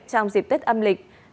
trong dịp tết âm lịch